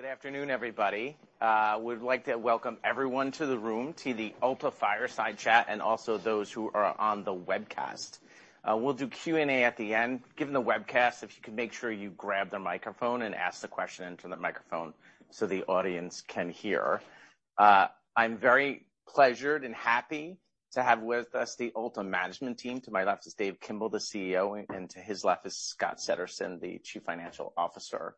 Good afternoon, everybody. We'd like to welcome everyone to the room, to the Ulta Fireside Chat. Also those who are on the webcast. We'll do Q&A at the end. Given the webcast, if you could make sure you grab the microphone and ask the question into the microphone so the audience can hear. I'm very pleasured and happy to have with us the Ulta management team. To my left is Dave Kimbell, the CEO, and to his left is Scott Settersten, the Chief Financial Officer.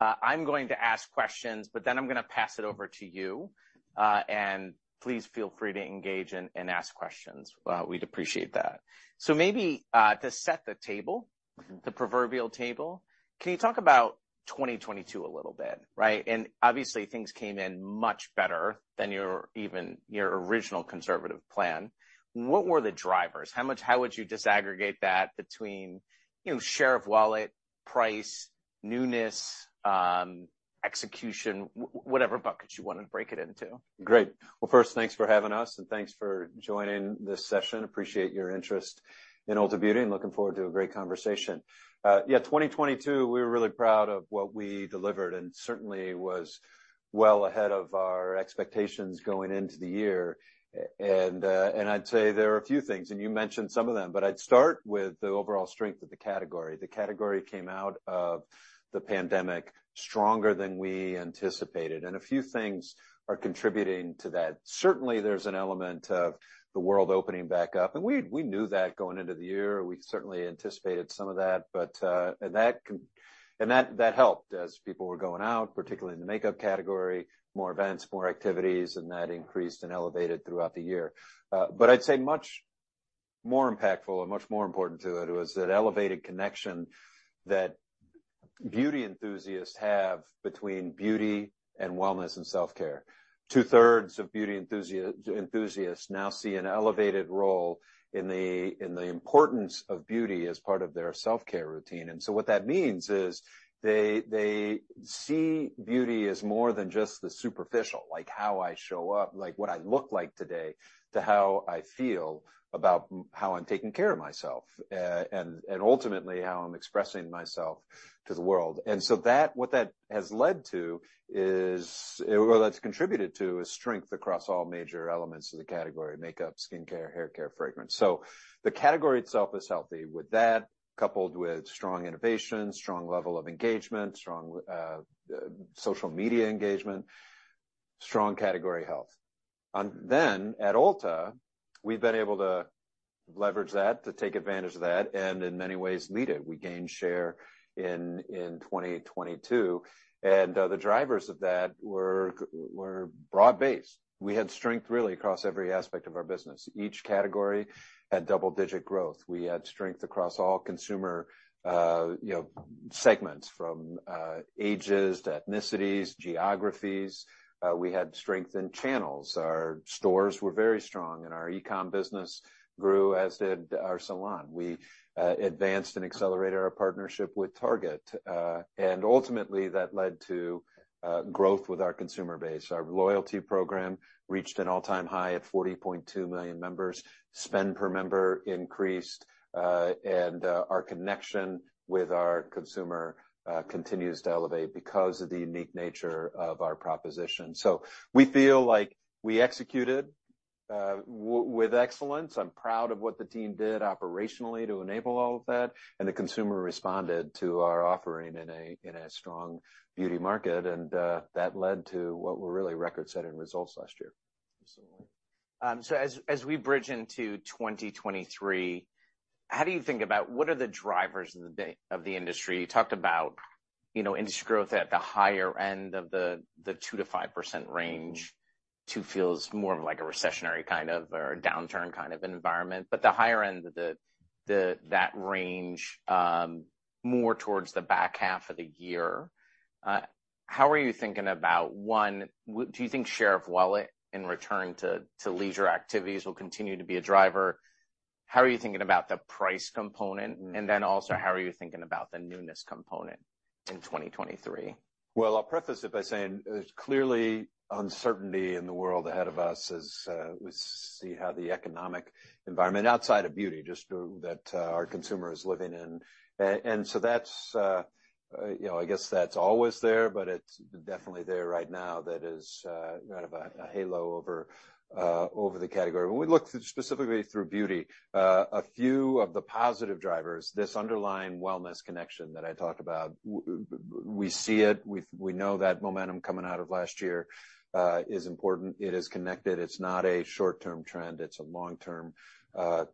I'm going to ask questions, but then I'm gonna pass it over to you, and please feel free to engage and ask questions. We'd appreciate that. Maybe, to set the table- Mm-hmm. The proverbial table, can you talk about 2022 a little bit, right? Obviously, things came in much better than your even, your original conservative plan. What were the drivers? How would you disaggregate that between, you know, share of wallet, price, newness, execution, whatever buckets you wanna break it into? Great. Well, first, thanks for having us. Thanks for joining this session. Appreciate your interest in Ulta Beauty and looking forward to a great conversation. Yeah, 2022, we were really proud of what we delivered. Certainly was well ahead of our expectations going into the year. I'd say there are a few things, and you mentioned some of them, but I'd start with the overall strength of the category. The category came out of the pandemic stronger than we anticipated. A few things are contributing to that. Certainly, there's an element of the world opening back up, and we knew that going into the year. We certainly anticipated some of that, but, and that helped as people were going out, particularly in the makeup category, more events, more activities, and that increased and elevated throughout the year. But I'd say much more impactful or much more important to it was that elevated connection that beauty enthusiasts have between beauty and wellness and self-care. 2/3 of beauty enthusiasts now see an elevated role in the, in the importance of beauty as part of their self-care routine. What that means is they see beauty as more than just the superficial, like how I show up, like what I look like today, to how I feel about how I'm taking care of myself, and ultimately how I'm expressing myself to the world. That, what that has led to is... That's contributed to is strength across all major elements of the category: makeup, skincare, haircare, fragrance. The category itself is healthy. With that, coupled with strong innovation, strong level of engagement, strong social media engagement, strong category health. At Ulta, we've been able to leverage that, to take advantage of that, and in many ways lead it. We gained share in 2022, the drivers of that were broad-based. We had strength really across every aspect of our business. Each category had double-digit growth. We had strength across all consumer, you know, segments, from ages to ethnicities, geographies. We had strength in channels. Our stores were very strong, our e-com business grew, as did our salon. We advanced and accelerated our partnership with Target, and ultimately that led to growth with our consumer base. Our loyalty program reached an all-time high at 40.2 million members. Spend per member increased, and our connection with our consumer continues to elevate because of the unique nature of our proposition. We feel like we executed with excellence. I'm proud of what the team did operationally to enable all of that. The consumer responded to our offering in a, in a strong beauty market, and that led to what were really record-setting results last year. Absolutely. As we bridge into 2023, how do you think about what are the drivers of the industry? You talked about, you know, industry growth at the higher end of the 2%-5% range. Two feels more of like a recessionary kind of or a downturn kind of environment, but the higher end of that range, more towards the back half of the year. How are you thinking about, one, do you think share of wallet in return to leisure activities will continue to be a driver? How are you thinking about the price component? Mm-hmm. How are you thinking about the newness component in 2023? I'll preface it by saying there's clearly uncertainty in the world ahead of us as we see how the economic environment outside of beauty, just that our consumer is living in. That's, you know, I guess that's always there, but it's definitely there right now that is kind of a halo over over the category. When we look specifically through beauty, a few of the positive drivers, this underlying wellness connection that I talked about, we see it. We know that momentum coming out of last year is important. It is connected. It's not a short-term trend. It's a long-term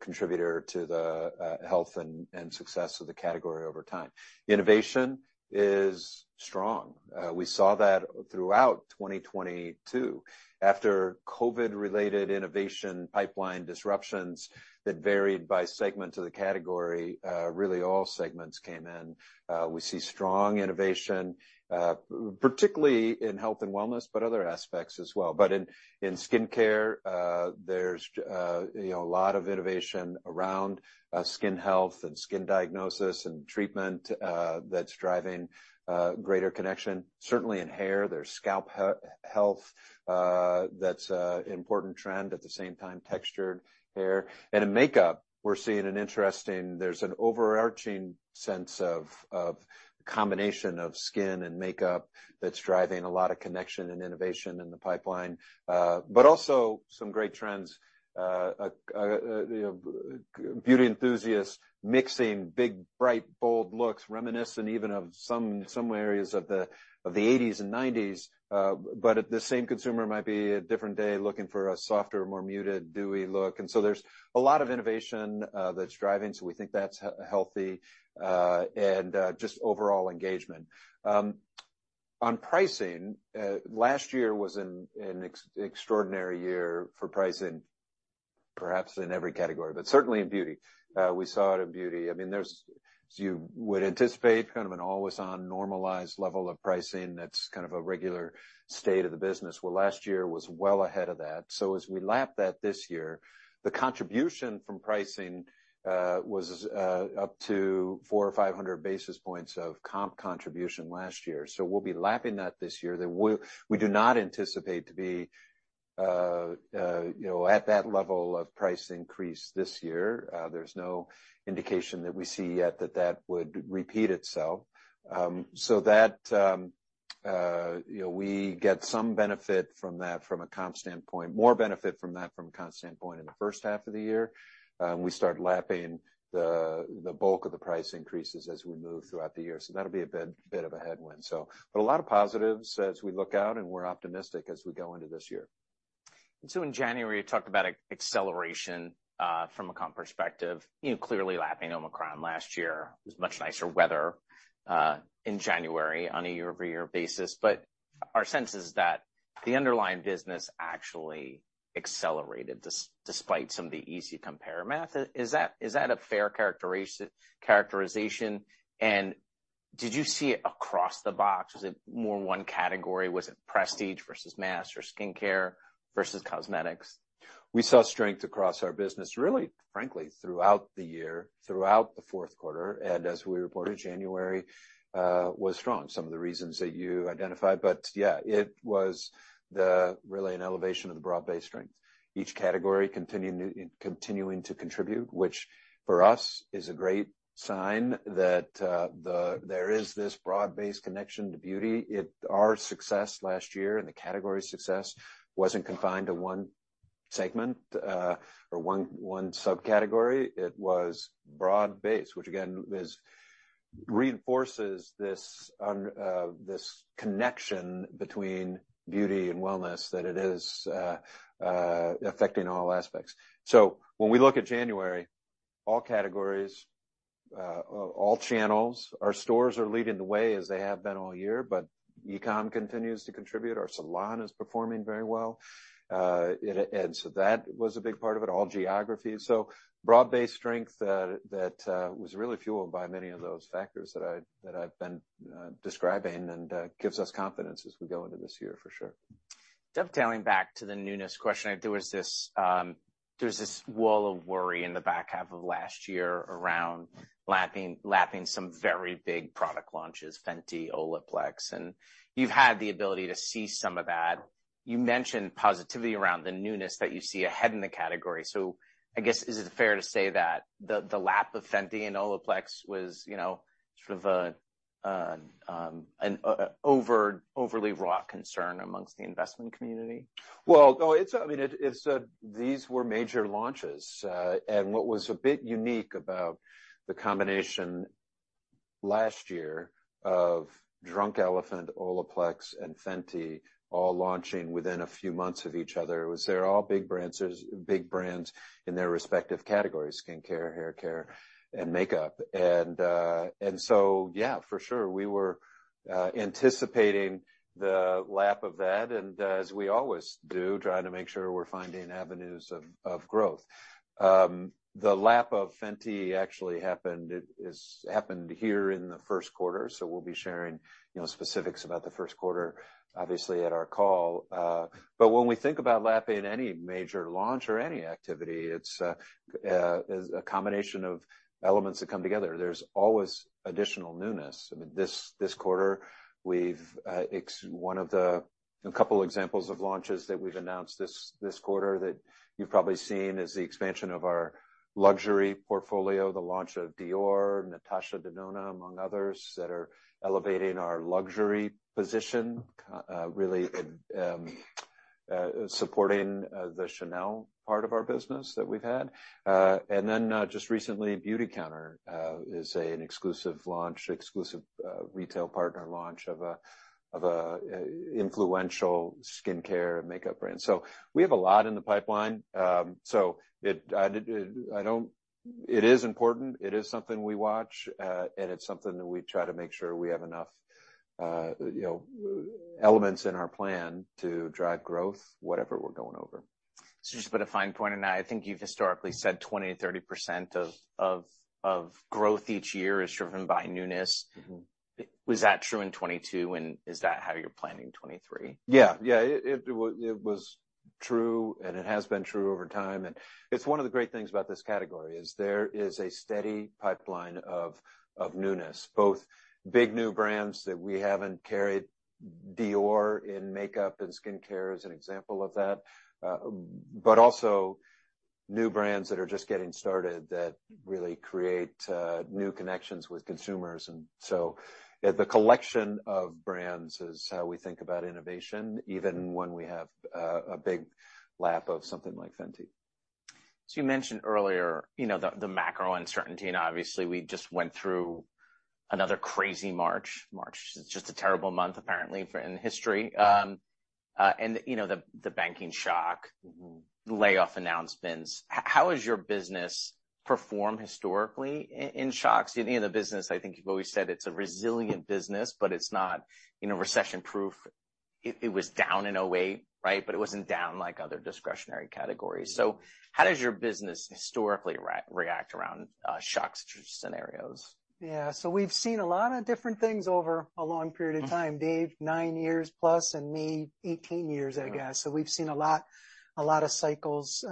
contributor to the health and success of the category over time. Innovation is strong. We saw that throughout 2022. After COVID-related innovation pipeline disruptions that varied by segment of the category, really all segments came in. We see strong innovation, particularly in health and wellness, but other aspects as well. In skincare, there's, you know, a lot of innovation around skin health and skin diagnosis and treatment, that's driving greater connection. Certainly in hair, there's scalp health, that's a important trend, at the same time textured hair. There's an overarching sense of combination of skin and makeup that's driving a lot of connection and innovation in the pipeline. Also some great trends. Beauty enthusiasts mixing big, bright, bold looks, reminiscent even of some areas of the 80s and 90s, but at the same consumer might be a different day looking for a softer, more muted, dewy look. There's a lot of innovation that's driving, so we think that's healthy, and just overall engagement. On pricing, last year was an extraordinary year for pricing, perhaps in every category, but certainly in beauty. We saw it in beauty. I mean, you would anticipate kind of an always-on normalized level of pricing that's kind of a regular state of the business. Well, last year was well ahead of that. As we lap that this year, the contribution from pricing was up to 400 or 500 basis points of comp contribution last year. We'll be lapping that this year, that we do not anticipate to be, you know, at that level of price increase this year. There's no indication that we see yet that that would repeat itself. That, you know, we get some benefit from that from a comp standpoint, more benefit from that from a comp standpoint in the first half of the year. We start lapping the bulk of the price increases as we move throughout the year. That'll be a bit of a headwind. A lot of positives as we look out, and we're optimistic as we go into this year. In January, you talked about acceleration from a comp perspective. You know, clearly lapping Omicron last year. It was much nicer weather in January on a year-over-year basis. Our sense is that the underlying business actually accelerated despite some of the easy compare math. Is that a fair characterization? Did you see it across the box? Was it more one category? Was it prestige versus mass or skincare versus cosmetics? We saw strength across our business really, frankly, throughout the year, throughout the fourth quarter, and as we reported, January was strong. Some of the reasons that you identified. Yeah, it was really an elevation of the broad-based strength. Each category continuing to contribute, which for us is a great sign that there is this broad-based connection to beauty. Our success last year and the category success wasn't confined to one segment or one subcategory. It was broad-based, which again, reinforces this connection between beauty and wellness, that it is affecting all aspects. When we look at January, all categories, all channels, our stores are leading the way as they have been all year, but e-com continues to contribute. Our salon is performing very well. That was a big part of it, all geographies. Broad-based strength that was really fueled by many of those factors that I, that I've been describing and gives us confidence as we go into this year for sure. Dovetailing back to the newness question, there was this wall of worry in the back half of last year around lapping some very big product launches, Fenty, Olaplex, and you've had the ability to see some of that. You mentioned positivity around the newness that you see ahead in the category. I guess, is it fair to say that the lap of Fenty and Olaplex was, you know, sort of an overly raw concern amongst the investment community? Well, no, I mean, it's a, these were major launches. What was a bit unique about the combination last year of Drunk Elephant, Olaplex, and Fenty all launching within a few months of each other was they're all big brands in their respective categories, skincare, haircare, and makeup. Yeah, for sure, we were anticipating the lap of that, and as we always do, trying to make sure we're finding avenues of growth. The lap of Fenty actually happened, it's happened here in the first quarter, so we'll be sharing, you know, specifics about the first quarter, obviously, at our call. When we think about lapping any major launch or any activity, it's a combination of elements that come together. There's always additional newness. I mean, this quarter, we've one of the, a couple examples of launches that we've announced this quarter that you've probably seen is the expansion of our luxury portfolio, the launch of Dior, Natasha Denona, among others, that are elevating our luxury position, really supporting the Chanel part of our business that we've had. Just recently, Beautycounter is an exclusive retail partner launch of an influential skincare and makeup brand. We have a lot in the pipeline. I don't. It is important, it is something we watch, and it's something that we try to make sure we have enough, you know, elements in our plan to drive growth, whatever we're going over. just to put a fine point on that, I think you've historically said 20%-30% of growth each year is driven by newness. Mm-hmm. Was that true in 2022, and is that how you're planning 2023? Yeah. It was true, and it has been true over time. It's one of the great things about this category is there is a steady pipeline of newness, both big new brands that we haven't carried, Dior in makeup and skincare is an example of that, but also new brands that are just getting started that really create new connections with consumers. The collection of brands is how we think about innovation, even when we have a big lap of something like Fenty. You mentioned earlier, you know, the macro uncertainty, and obviously, we just went through another crazy March. March is just a terrible month, apparently, for in history. You know, the banking shock. Mm-hmm. The layoff announcements. How has your business performed historically in shocks? You know, the business, I think you've always said it's a resilient business. It's not, you know, recession-proof. It was down in 2008, right? It wasn't down like other discretionary categories. How does your business historically react around shocks scenarios? Yeah. We've seen a lot of different things over a long period of time. Mm. Dave, 9+ years, and me, 18 years, I guess. Yeah. We've seen a lot of cycles.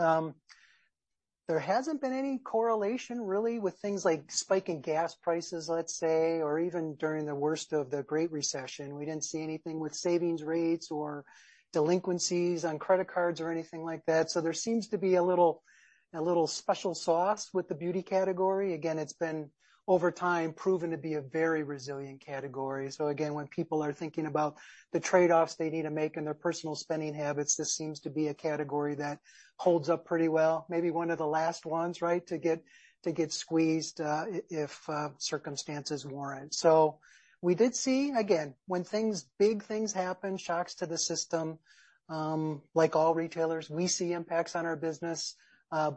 There hasn't been any correlation really with things like spiking gas prices, let's say, or even during the worst of the Great Recession. We didn't see anything with savings rates or delinquencies on credit cards or anything like that. There seems to be a little special sauce with the beauty category. Again, it's been, over time, proven to be a very resilient category. Again, when people are thinking about the trade-offs they need to make in their personal spending habits, this seems to be a category that holds up pretty well. Maybe one of the last ones, right, to get squeezed, if circumstances warrant. We did see. Again, when things, big things happen, shocks to the system, like all retailers, we see impacts on our business.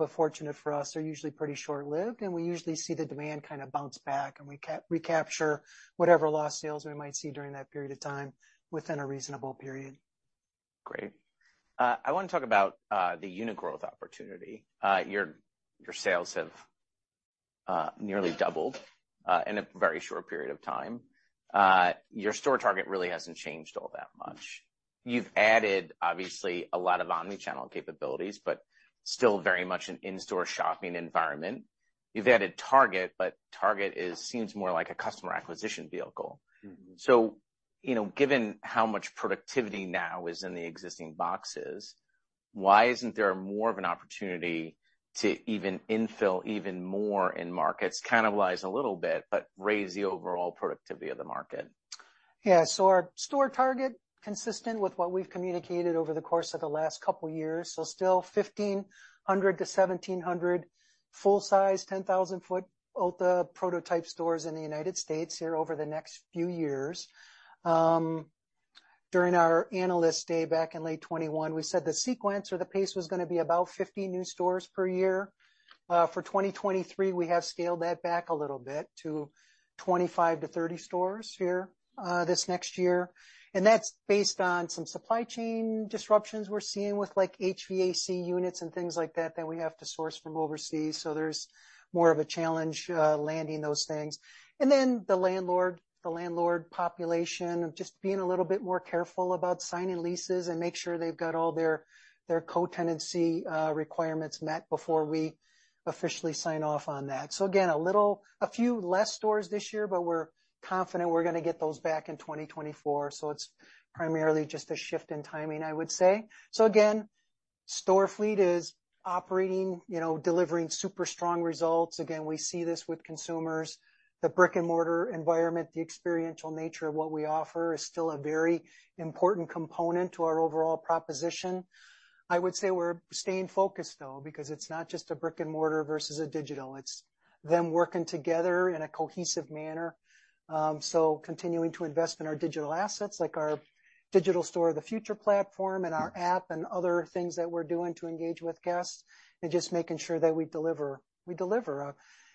Fortunate for us, they're usually pretty short-lived, and we usually see the demand kind of bounce back, and we recapture whatever lost sales we might see during that period of time within a reasonable period. Great. I wanna talk about the unit growth opportunity. Your sales have nearly doubled in a very short period of time. Your store target really hasn't changed all that much. You've added, obviously, a lot of omni-channel capabilities, but still very much an in-store shopping environment. You've added Target, but Target seems more like a customer acquisition vehicle. Mm-hmm. You know, given how much productivity now is in the existing boxes, why isn't there more of an opportunity to even infill even more in markets, cannibalize a little bit, but raise the overall productivity of the market? Our store target, consistent with what we've communicated over the course of the last couple years, so still 1,500-1,700 full-size, 10,000-foot Ulta prototype stores in the United States here over the next few years. During our Analyst Day back in late 2021, we said the sequence or the pace was gonna be about 50 new stores per year. For 2023, we have scaled that back a little bit to 25-30 stores here this next year. That's based on some supply chain disruptions we're seeing with, like, HVAC units and things like that that we have to source from overseas, so there's more of a challenge landing those things. The landlord population of just being a little bit more careful about signing leases and make sure they've got all their co-tenancy requirements met before we officially sign off on that. Again, a few less stores this year, but we're confident we're gonna get those back in 2024, so it's primarily just a shift in timing, I would say. Again, store fleet is operating, you know, delivering super strong results. Again, we see this with consumers. The brick-and-mortar environment, the experiential nature of what we offer is still a very important component to our overall proposition. I would say we're staying focused, though, because it's not just a brick-and-mortar versus a digital. It's them working together in a cohesive manner. Continuing to invest in our digital assets, like our Digital Store of the Future platform and our app and other things that we're doing to engage with guests, and just making sure that we deliver a,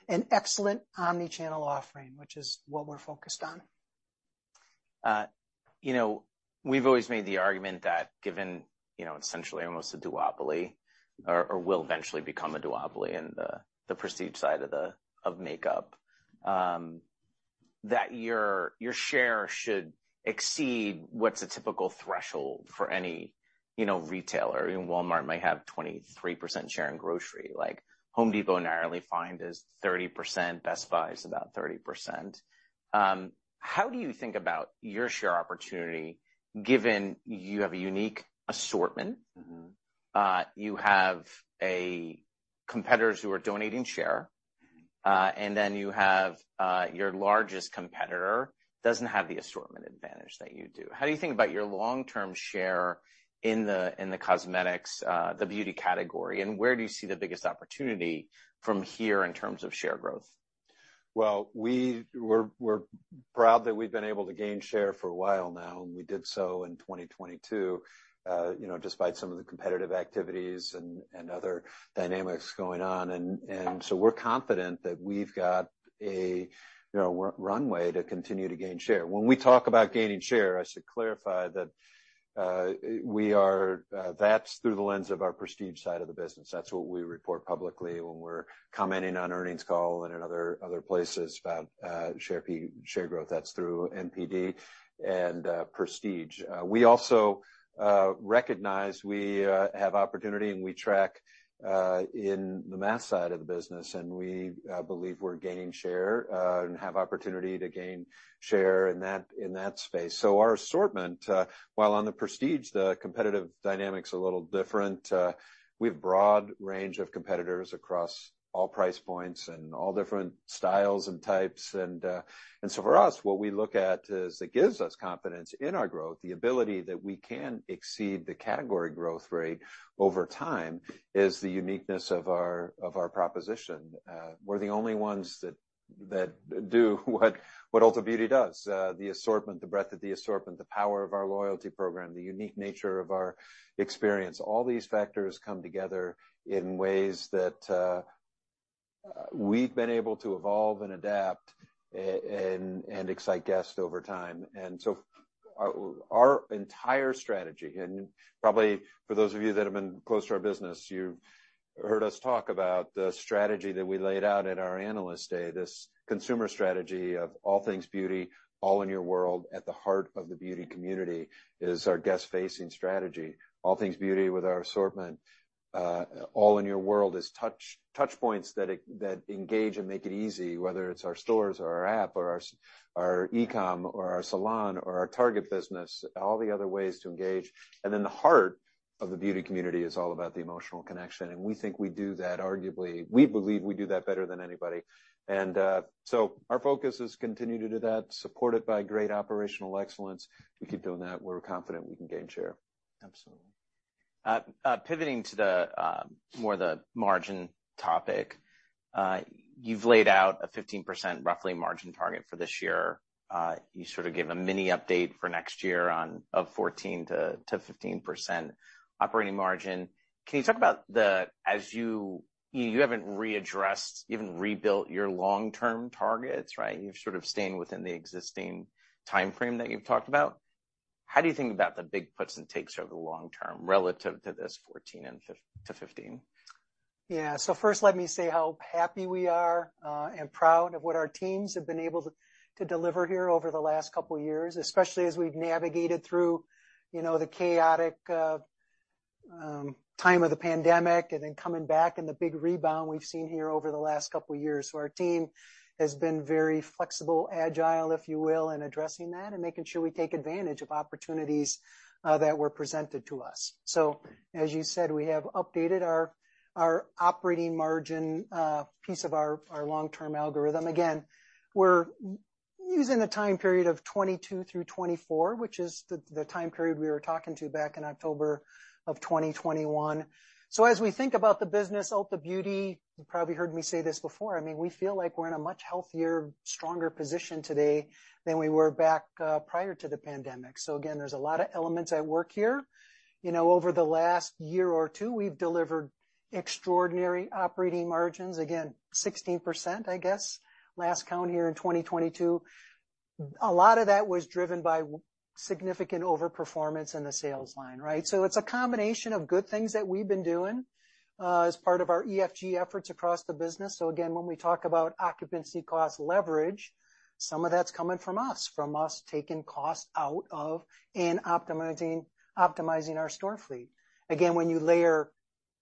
an excellent omni-channel offering, which is what we're focused on. you know, we've always made the argument that given, you know, essentially almost a duopoly or will eventually become a duopoly in the prestige side of makeup, that your share should exceed what's a typical threshold for any, you know, retailer. I mean, Walmart might have 23% share in grocery. Like, Home Depot narrowly find is 30%. Best Buy is about 30%. How do you think about your share opportunity given you have a unique assortment? Mm-hmm. You have a competitors who are donating share. You have your largest competitor doesn't have the assortment advantage that you do. How do you think about your long-term share in the, in the cosmetics, the beauty category, and where do you see the biggest opportunity from here in terms of share growth? Well, we're proud that we've been able to gain share for a while now. We did so in 2022, you know, despite some of the competitive activities and other dynamics going on. We're confident that we've got a, you know, runway to continue to gain share. When we talk about gaining share, I should clarify that that's through the lens of our prestige side of the business. That's what we report publicly when we're commenting on earnings call and in other places about share growth. That's through NPD and prestige. We also recognize we have opportunity and we track in the math side of the business, and we believe we're gaining share and have opportunity to gain share in that space. Our assortment, while on the prestige, the competitive dynamic's a little different. We've broad range of competitors across all price points and all different styles and types. For us, what we look at is, that gives us confidence in our growth, the ability that we can exceed the category growth rate over time is the uniqueness of our, of our proposition. We're the only ones that. That do what Ulta Beauty does. The assortment, the breadth of the assortment, the power of our loyalty program, the unique nature of our experience, all these factors come together in ways that we've been able to evolve and adapt and excite guests over time. Our entire strategy, and probably for those of you that have been close to our business, you've heard us talk about the strategy that we laid out at our Analyst Day, this consumer strategy of all things beauty, all in your world, at the heart of the beauty community is our guest-facing strategy. All things beauty with our assortment. All in your world is touch points that engage and make it easy, whether it's our stores or our app or our e-com or our salon or our Target business, all the other ways to engage. The heart of the beauty community is all about the emotional connection. We think we do that arguably. We believe we do that better than anybody. Our focus is continue to do that, supported by great operational excellence. We keep doing that, we're confident we can gain share. Absolutely. Pivoting to the more the margin topic. You've laid out a 15% roughly margin target for this year. You sort of gave a mini update for next year on, of 14%-15% operating margin. Can you talk about the as you haven't readdressed, you haven't rebuilt your long-term targets, right? You're sort of staying within the existing timeframe that you've talked about. How do you think about the big puts and takes over the long term relative to this 14%-15%? First, let me say how happy we are and proud of what our teams have been able to deliver here over the last couple years, especially as we've navigated through, you know, the chaotic time of the pandemic and then coming back and the big rebound we've seen here over the last couple years. Our team has been very flexible, agile, if you will, in addressing that and making sure we take advantage of opportunities that were presented to us. As you said, we have updated our operating margin piece of our long-term algorithm. Again, we're using a time period of 2022 through 2024, which is the time period we were talking to back in October of 2021. As we think about the business, Ulta Beauty, you probably heard me say this before, I mean, we feel like we're in a much healthier, stronger position today than we were back prior to the pandemic. Again, there's a lot of elements at work here. You know, over the last year or two, we've delivered extraordinary operating margins. Again, 16%, I guess, last count here in 2022. A lot of that was driven by significant overperformance in the sales line, right? It's a combination of good things that we've been doing as part of our ESG efforts across the business. Again, when we talk about occupancy cost leverage, some of that's coming from us taking costs out of and optimizing our store fleet. When you layer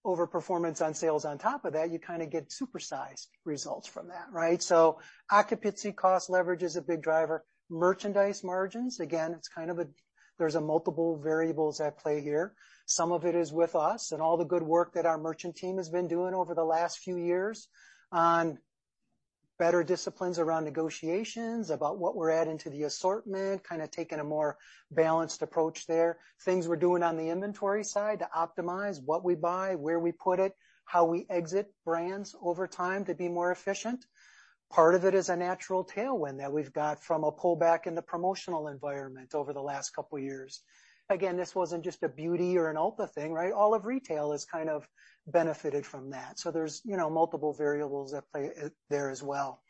overperformance on sales on top of that, you kind of get supersized results from that, right? Occupancy cost leverage is a big driver. Merchandise margins, again, it's kind of there's a multiple variables at play here. Some of it is with us and all the good work that our merchant team has been doing over the last few years on better disciplines around negotiations, about what we're adding to the assortment, kind of taking a more balanced approach there. Things we're doing on the inventory side to optimize what we buy, where we put it, how we exit brands over time to be more efficient. Part of it is a natural tailwind that we've got from a pullback in the promotional environment over the last couple years. This wasn't just a beauty or an Ulta thing, right? All of retail has kind of benefited from that. There's, you know, multiple variables at play there as well.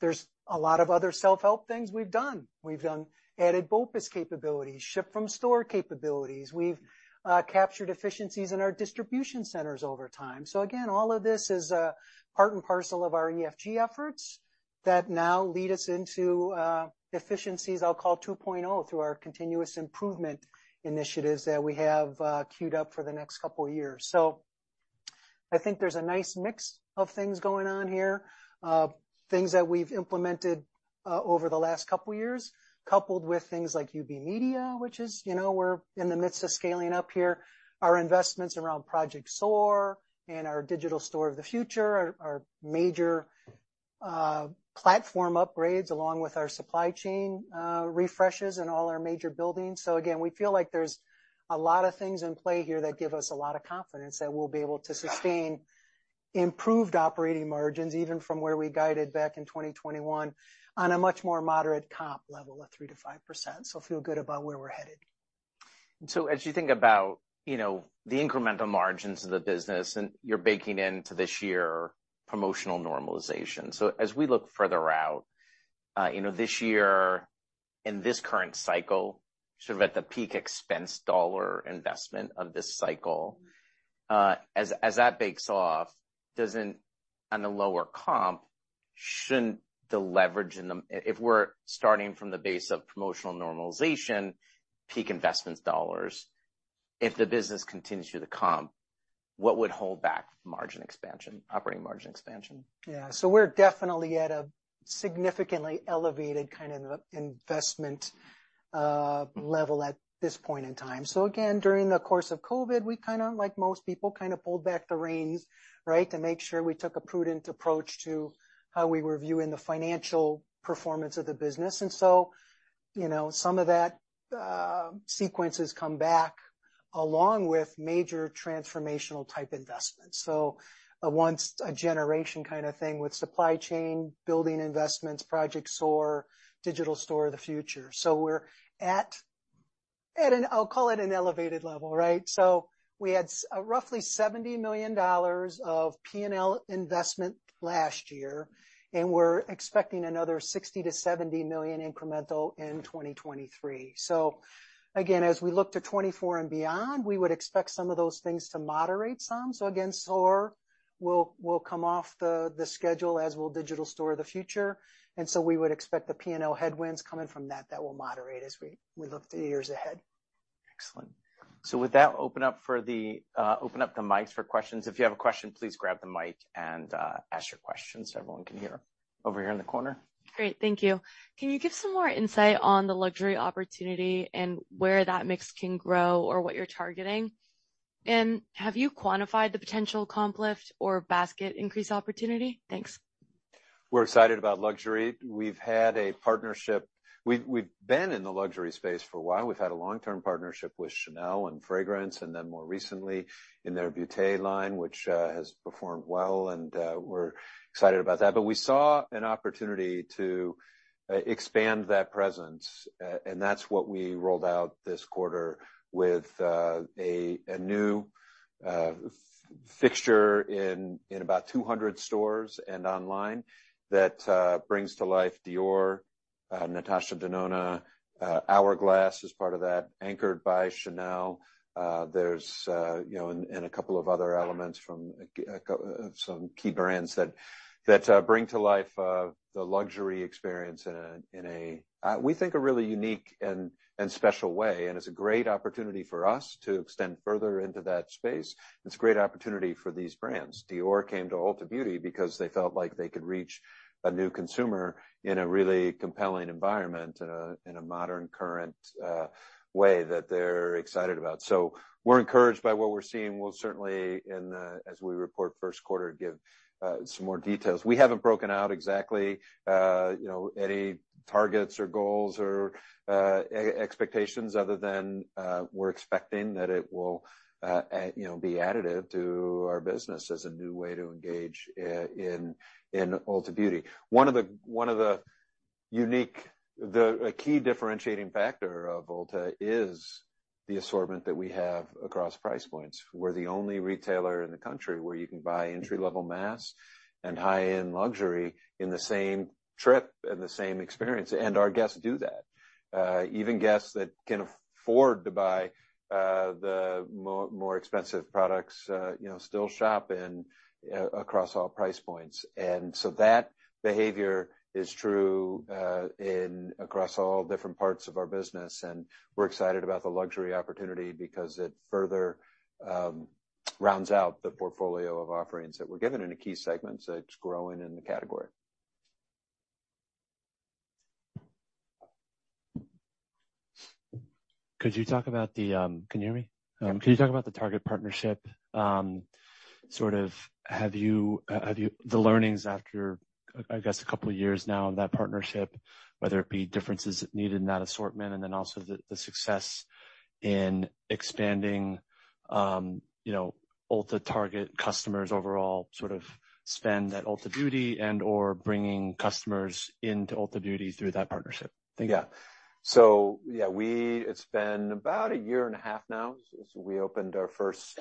There's a lot of other self-help things we've done. We've done added BOPUS capabilities, ship from store capabilities. We've captured efficiencies in our distribution centers over time. Again, all of this is part and parcel of our ESG efforts that now lead us into efficiencies, I'll call 2.0, through our continuous improvement initiatives that we have queued up for the next couple years. I think there's a nice mix of things going on here, things that we've implemented over the last couple years, coupled with things like UB Media, which is, you know, we're in the midst of scaling up here. Our investments around Project SOAR and our Digital Store of the Future are major platform upgrades, along with our supply chain refreshes in all our major buildings. Again, we feel like there's a lot of things in play here that give us a lot of confidence that we'll be able to sustain improved operating margins, even from where we guided back in 2021, on a much more moderate comp level of 3%-5%. Feel good about where we're headed. As you think about, you know, the incremental margins of the business and you're baking into this year promotional normalization. As we look further out, you know, this year in this current cycle, sort of at the peak expense dollar investment of this cycle, as that bakes off, on the lower comp, shouldn't the leverage in the... If we're starting from the base of promotional normalization, peak investments dollars, if the business continues to decomp, what would hold back margin expansion, operating margin expansion? We're definitely at a significantly elevated kind of investment level at this point in time. Again, during the course of COVID, we kind of, like most people, kind of pulled back the reins, right? To make sure we took a prudent approach to how we were viewing the financial performance of the business. You know, some of that sequence has come back. Along with major transformational type investments. A once a generation kind of thing with supply chain, building investments, Project SOAR, Digital Store of the Future. We're at an elevated level, right. We had roughly $70 million of P&L investment last year, and we're expecting another $60-$70 million incremental in 2023. Again, as we look to 2024 and beyond, we would expect some of those things to moderate some. Again, SOAR will come off the schedule as will Digital Store of the Future. We would expect the P&L headwinds coming from that will moderate as we look three years ahead. Excellent. With that, open up the mics for questions. If you have a question, please grab the mic and ask your question so everyone can hear. Over here in the corner. Great. Thank you. Can you give some more insight on the luxury opportunity and where that mix can grow or what you're targeting? Have you quantified the potential comp lift or basket increase opportunity? Thanks. We're excited about luxury. We've had a partnership. We've been in the luxury space for a while. We've had a long-term partnership with Chanel and fragrance, and then more recently in their beauty line, which has performed well, and we're excited about that. We saw an opportunity to expand that presence. That's what we rolled out this quarter with a new fixture in about 200 stores and online that brings to life Dior, Natasha Denona. Hourglass is part of that, anchored by Chanel. There's, you know, and a couple of other elements from some key brands that bring to life the luxury experience in a, we think a really unique and special way. It's a great opportunity for us to extend further into that space. It's a great opportunity for these brands. Dior came to Ulta Beauty because they felt like they could reach a new consumer in a really compelling environment, in a modern current way that they're excited about. We're encouraged by what we're seeing. We'll certainly, in, as we report first quarter, give some more details. We haven't broken out exactly, you know, any targets or goals or expectations other than we're expecting that it will, you know, be additive to our business as a new way to engage in Ulta Beauty. One of the unique key differentiating factor of Ulta is the assortment that we have across price points. We're the only retailer in the country where you can buy entry-level mass and high-end luxury in the same trip and the same experience. Our guests do that. Even guests that can afford to buy the more expensive products, you know, still shop across all price points. That behavior is true across all different parts of our business. We're excited about the luxury opportunity because it further rounds out the portfolio of offerings that we're given in a key segment that's growing in the category. Can you hear me? Mm-hmm. Could you talk about the Target partnership? Sort of the learnings after, I guess two years now of that partnership, whether it be differences needed in that assortment and then also the success in expanding, you know, Ulta Target customers overall sort of spend at Ulta Beauty and/or bringing customers into Ulta Beauty through that partnership. Thank you. Yeah. It's been about a year and a half now since we opened our first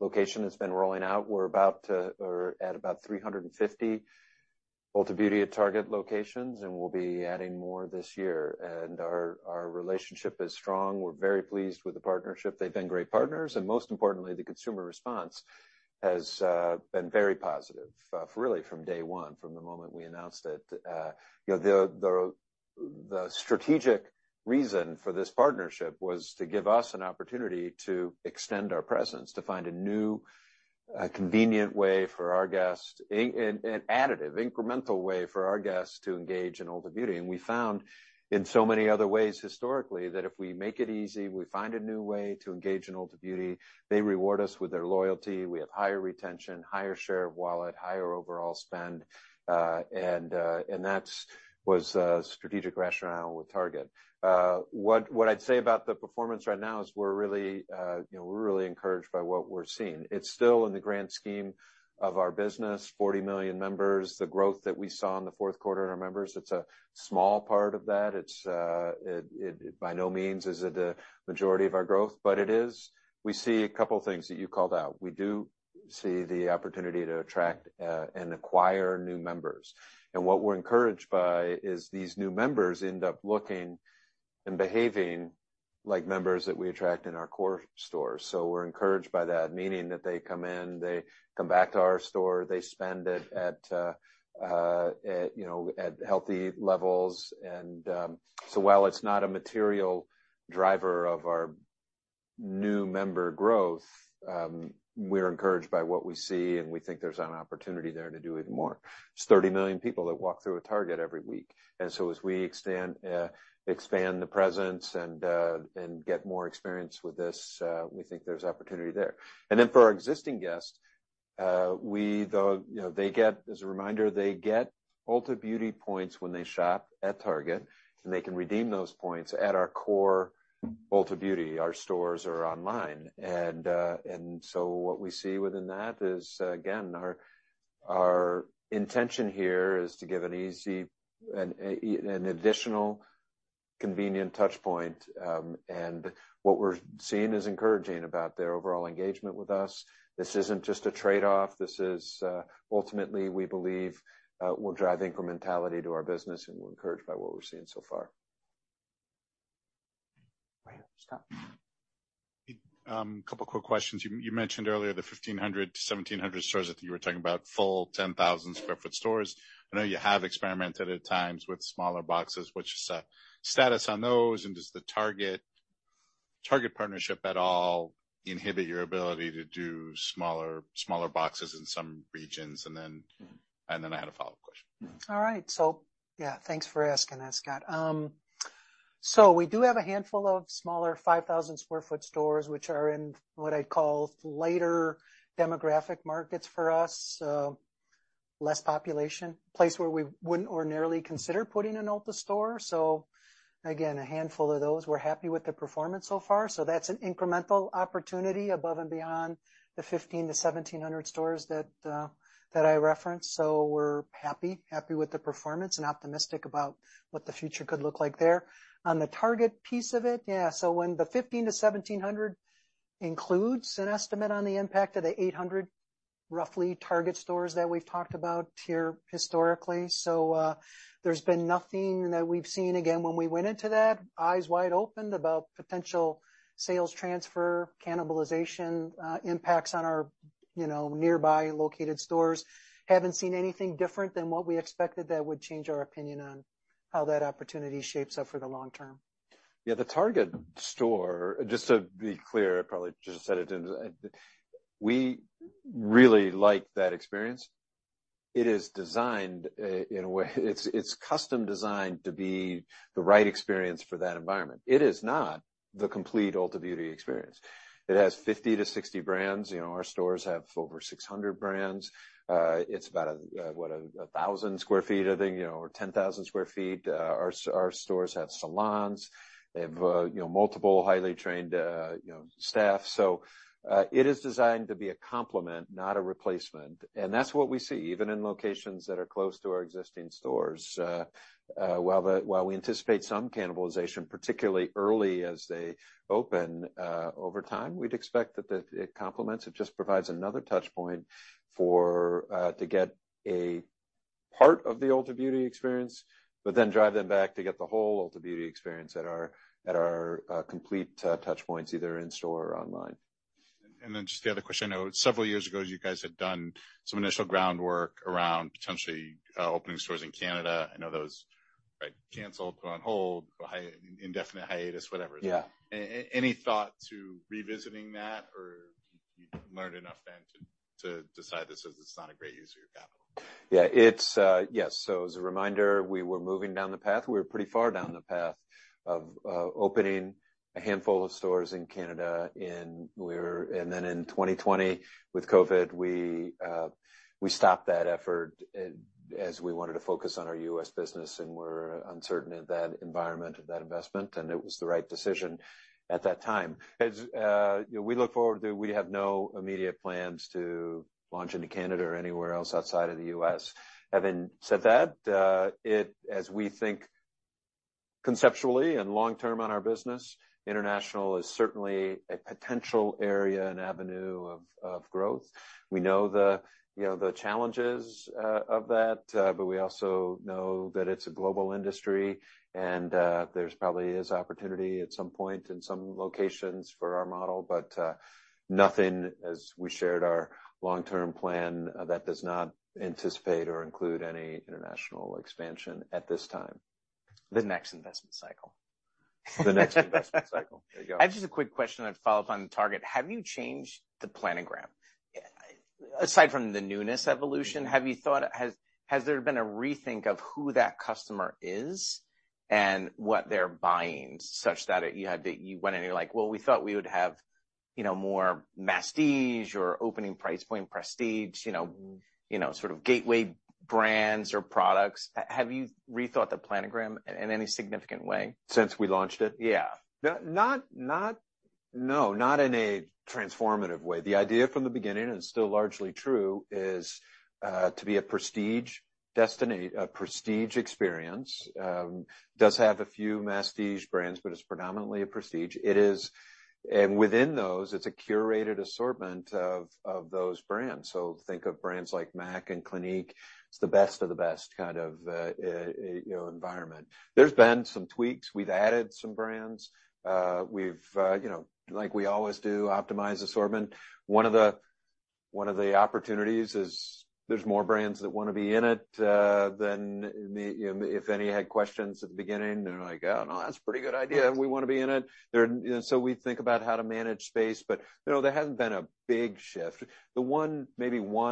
location. It's been rolling out. We're at about 350 Ulta Beauty at Target locations, and we'll be adding more this year. Our relationship is strong. We're very pleased with the partnership. They've been great partners. Most importantly, the consumer response has been very positive really from day one, from the moment we announced it. You know, the strategic reason for this partnership was to give us an opportunity to extend our presence, to find a new convenient way for our guests, an additive, incremental way for our guests to engage in Ulta Beauty. We found in so many other ways historically that if we make it easy, we find a new way to engage in Ulta Beauty, they reward us with their loyalty. We have higher retention, higher share of wallet, higher overall spend, and that was strategic rationale with Target. What I'd say about the performance right now is we're really, you know, we're really encouraged by what we're seeing. It's still in the grand scheme of our business, 40 million members, the growth that we saw in the fourth quarter in our members. It's a small part of that. It, by no means is it a majority of our growth, but it is. We see a couple of things that you called out. We do see the opportunity to attract and acquire new members. What we're encouraged by is these new members end up looking and behaving like members that we attract in our core stores. We're encouraged by that, meaning that they come in, they come back to our store, they spend at, you know, at healthy levels. While it's not a material driver of our new member growth, we're encouraged by what we see, and we think there's an opportunity there to do even more. There's 30 million people that walk through a Target every week. As we expand the presence and get more experience with this, we think there's opportunity there. For our existing guests, you know, they get, as a reminder, they get Ulta Beauty points when they shop at Target, and they can redeem those points at our core Ulta Beauty, our stores or online. What we see within that is, again, our intention here is to give an additional convenient touch point. What we're seeing is encouraging about their overall engagement with us. This isn't just a trade-off. This is ultimately, we believe, will drive incrementality to our business, and we're encouraged by what we're seeing so far. Right. Scott? A couple quick questions. You mentioned earlier the 1,500-1,700 stores that you were talking about, full 10,000 sq ft stores. I know you have experimented at times with smaller boxes. What's the status on those, and does the Target partnership at all inhibit your ability to do smaller boxes in some regions? Then I had a follow-up question. All right. Yeah, thanks for asking that, Scott. We do have a handful of smaller 5,000 sq ft stores, which are in what I'd call later demographic markets for us, less population, place where we wouldn't ordinarily consider putting an Ulta store. Again, a handful of those. We're happy with the performance so far. That's an incremental opportunity above and beyond the 1,500-1,700 stores that I referenced. We're happy with the performance and optimistic about what the future could look like there. On the Target piece of it, yeah, when the 1,500-1,700 includes an estimate on the impact of the 800, roughly Target stores that we've talked about here historically. There's been nothing that we've seen, again, when we went into that, eyes wide open about potential sales transfer, cannibalization, impacts on our, you know, nearby located stores. Haven't seen anything different than what we expected that would change our opinion on how that opportunity shapes up for the long term. Yeah, the Target store, just to be clear, I probably should have said it. We really like that experience. It is designed in a way it's custom designed to be the right experience for that environment. It is not the complete Ulta Beauty experience. It has 50-60 brands. You know, our stores have over 600 brands. It's about a, what, 1,000 sq ft, I think, you know, or 10,000 sq ft. Our stores have salons. They have, you know, multiple highly trained, you know, staff. It is designed to be a complement, not a replacement. That's what we see even in locations that are close to our existing stores. While we anticipate some cannibalization, particularly early as they open, over time, we'd expect that it complements. It just provides another touch point for, to get a part of the Ulta Beauty experience, drive them back to get the whole Ulta Beauty experience at our, at our complete touchpoints, either in-store or online. Just the other question. I know several years ago, you guys had done some initial groundwork around potentially, opening stores in Canada. I know those got canceled, put on hold, indefinite hiatus, whatever. Yeah. Any thought to revisiting that? You learned enough then to decide this is not a great use of your capital? Yeah, it's, yes. As a reminder, we were moving down the path. We were pretty far down the path of opening a handful of stores in Canada. In 2020, with COVID, we stopped that effort as we wanted to focus on our U.S. business, and we're uncertain of that environment, of that investment. It was the right decision at that time. As we look forward to, we have no immediate plans to launch into Canada or anywhere else outside of the U.S. Having said that, as we think conceptually and long term on our business, international is certainly a potential area and avenue of growth. We know the, you know, the challenges of that, we also know that it's a global industry, there's probably is opportunity at some point in some locations for our model. Nothing as we shared our long-term plan that does not anticipate or include any international expansion at this time. The next investment cycle. The next investment cycle. There you go. I have just a quick question to follow up on Target. Have you changed the planogram? Aside from the newness evolution, has there been a rethink of who that customer is and what they're buying such that you went in, you're like, "Well, we thought we would have, you know, more masstige or opening price point prestige," you know, you know, sort of gateway brands or products. Have you rethought the planogram in any significant way? Since we launched it? Yeah. No, not in a transformative way. The idea from the beginning, and it's still largely true, is to be a prestige destiny, a prestige experience. Does have a few masstige brands, but it's predominantly a prestige. Within those, it's a curated assortment of those brands. Think of brands like MAC and Clinique. It's the best of the best kind of, you know, environment. There's been some tweaks. We've added some brands. We've, you know, like we always do, optimize assortment. One of the opportunities is there's more brands that wanna be in it than if any had questions at the beginning, they're like, "Oh, no, that's a pretty good idea, and we wanna be in it." We think about how to manage space, but, you know, there hasn't been a big shift. The one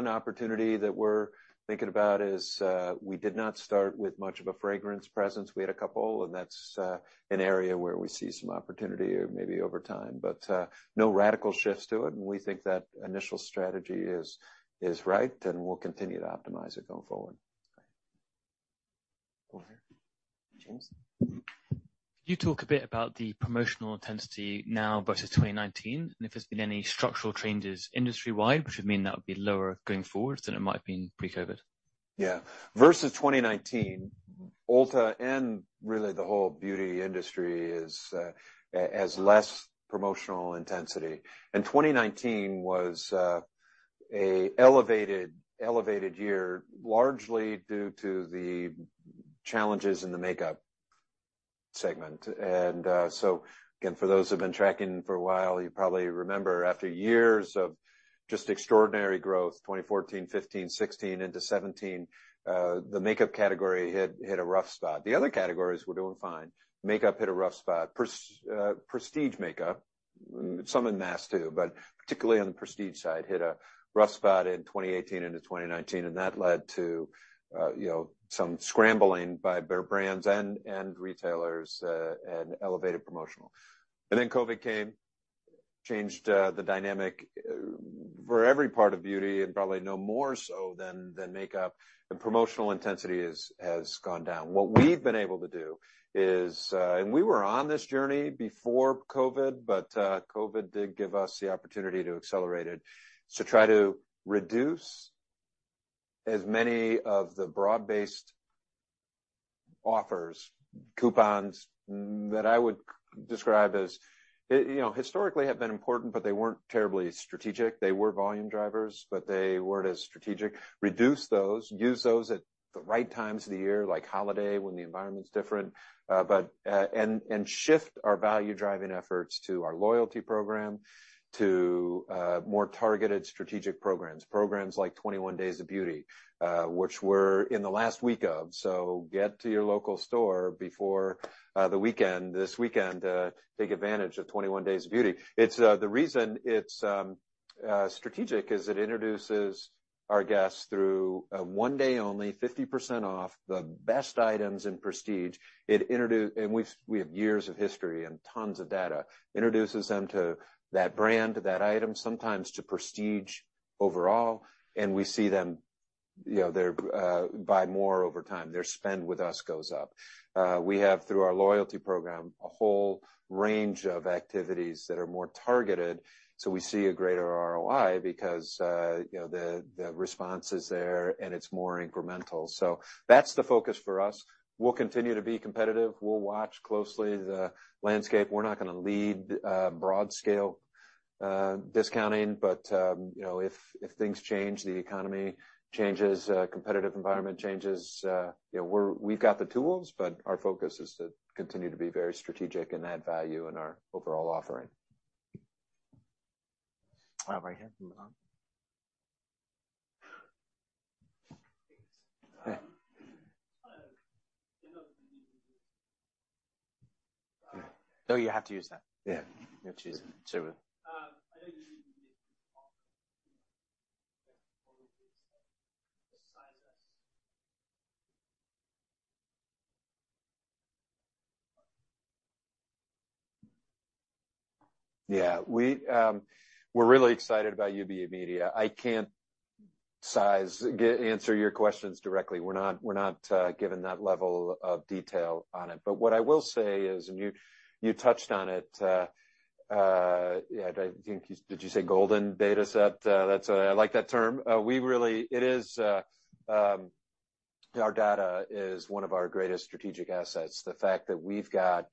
opportunity that we're thinking about is we did not start with much of a fragrance presence. We had a couple, and that's an area where we see some opportunity maybe over time. No radical shifts to it, and we think that initial strategy is right, and we'll continue to optimize it going forward. Over here. James? Can you talk a bit about the promotional intensity now versus 2019, and if there's been any structural changes industry-wide, which would mean that would be lower going forward than it might have been pre-COVID? Yeah. Versus 2019, Ulta and really the whole beauty industry is, has less promotional intensity. In 2019 was a elevated year, largely due to the challenges in the makeup segment. Again, for those who have been tracking for a while, you probably remember after years of just extraordinary growth, 2014, 2015, 2016 into 2017, the makeup category hit a rough spot. The other categories were doing fine. Makeup hit a rough spot. Prestige makeup, some in mass too, but particularly on the prestige side, hit a rough spot in 2018 into 2019. That led to, you know, some scrambling by their brands and retailers, and elevated promotional. COVID came, changed the dynamic for every part of beauty and probably no more so than makeup and promotional intensity has gone down. We've been able to do is, and we were on this journey before COVID, but COVID did give us the opportunity to accelerate it. To try to reduce as many of the broad-based offers, coupons that I would describe as, you know, historically have been important, but they weren't terribly strategic. They were volume drivers, but they weren't as strategic. Reduce those, use those at the right times of the year, like holiday, when the environment is different, but, and shift our value-driving efforts to our loyalty program, to more targeted strategic programs. Programs like 21 Days of Beauty, which we're in the last week of. Get to your local store before the weekend, this weekend, take advantage of 21 Days of Beauty. It's the reason it's strategic is it introduces our guests through a one day only, 50% off the best items in prestige. We've, we have years of history and tons of data, introduces them to that brand, that item, sometimes to prestige overall, and we see them, you know, they're buy more over time. Their spend with us goes up. We have, through our loyalty program, a whole range of activities that are more targeted, so we see a greater ROI because, you know, the response is there and it's more incremental. That's the focus for us. We'll continue to be competitive. We'll watch closely the landscape. We're not gonna lead, broad scale, discounting, but, you know, if things change, the economy changes, competitive environment changes, you know, we're, we've got the tools, but our focus is to continue to be very strategic and add value in our overall offering. Over here. Milan. Thanks. Yeah. I know you. No, you have to use that. Yeah. You have to use it. It's too. Yeah. We're really excited about UB Media. I can't answer your questions directly. We're not given that level of detail on it. What I will say is, and you touched on it, yeah, Did you say golden data set? That's, I like that term. It is, our data is one of our greatest strategic assets. The fact that we've got,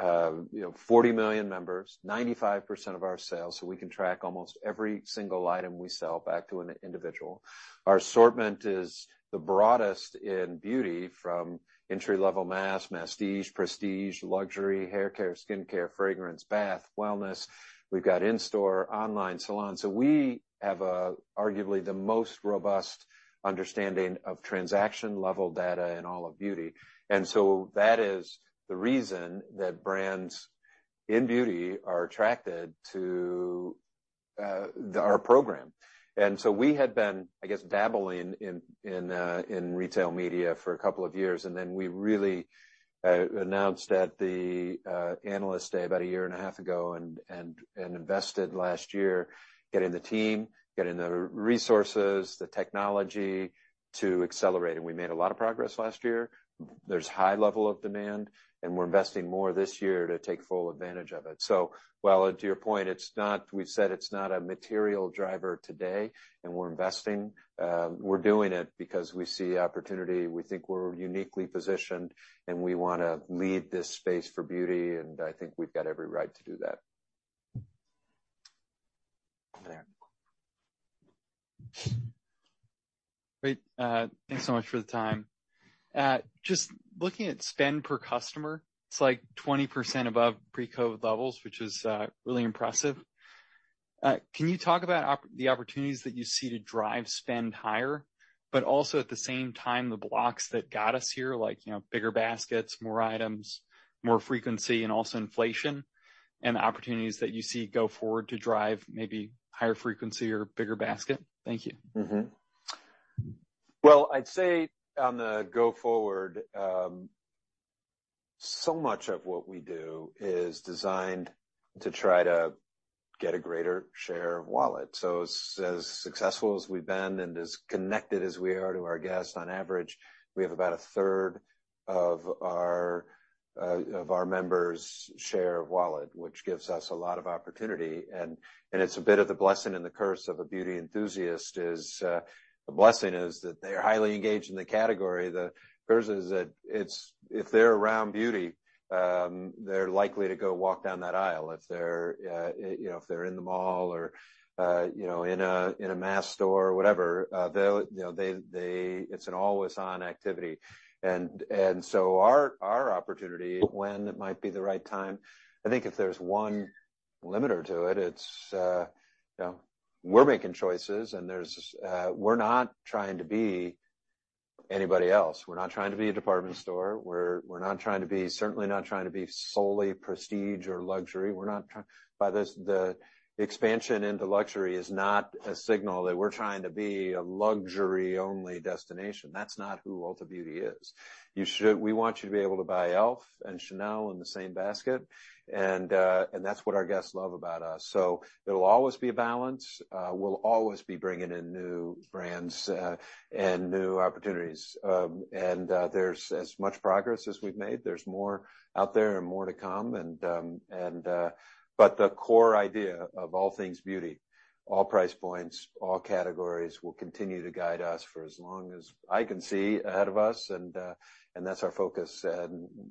you know, 40 million members, 95% of our sales, so we can track almost every single item we sell back to an individual. Our assortment is the broadest in beauty from entry-level mass, masstige, prestige, luxury, hair care, skin care, fragrance, bath, wellness. We've got in-store, online, salon. We have a, arguably the most robust understanding of transaction-level data in all of beauty. That is the reason that brands in beauty are attracted to our program. We had been, I guess, dabbling in retail media for two years. We really announced at the Analyst Day about 1.5 years ago and invested last year getting the team, getting the resources, the technology to accelerate. We made a lot of progress last year. There's high level of demand, and we're investing more this year to take full advantage of it. While to your point, we've said it's not a material driver today, and we're investing, we're doing it because we see opportunity. We think we're uniquely positioned, and we wanna lead this space for beauty, and I think we've got every right to do that. Over there. Great. Thanks so much for the time. Just looking at spend per customer, it's like 20% above pre-COVID levels, which is really impressive. Can you talk about the opportunities that you see to drive spend higher, but also at the same time, the blocks that got us here, like, you know, bigger baskets, more items, more frequency, and also inflation, and the opportunities that you see go forward to drive maybe higher frequency or bigger basket? Thank you. Well, I'd say on the go forward, so much of what we do is designed to try to get a greater share of wallet. As, as successful as we've been and as connected as we are to our guests, on average, we have about 1/3 of our of our members' share of wallet, which gives us a lot of opportunity. It's a bit of the blessing and the curse of a beauty enthusiast is, the blessing is that they are highly engaged in the category. The curse is that if they're around beauty, they're likely to go walk down that aisle. If they're, you know, if they're in the mall or, you know, in a mass store or whatever, they'll, you know, they... It's an always on activity. Our opportunity when it might be the right time, I think if there's one limiter to it's, you know, we're making choices, and there's, we're not trying to be anybody else. We're not trying to be a department store. We're not trying to be certainly not trying to be solely prestige or luxury. We're not trying by this, the expansion into luxury is not a signal that we're trying to be a luxury-only destination. That's not who Ulta Beauty is. We want you to be able to buy e.l.f. and Chanel in the same basket. That's what our guests love about us. There'll always be a balance. We'll always be bringing in new brands and new opportunities. There's as much progress as we've made, there's more out there and more to come. The core idea of all things beauty, all price points, all categories, will continue to guide us for as long as I can see ahead of us. That's our focus.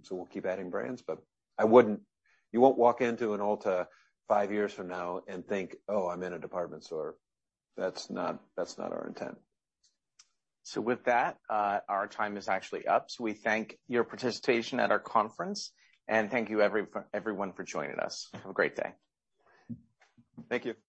We'll keep adding brands, but you won't walk into an Ulta five years from now and think, "Oh, I'm in a department store." That's not our intent. With that, our time is actually up. We thank your participation at our conference, and thank you everyone for joining us. Have a great day. Thank you.